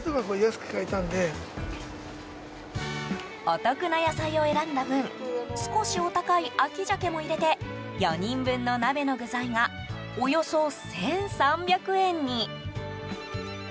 お得な野菜を選んだ分少しお高い秋鮭も入れて４人分の鍋の具材がおよそ１３００円に。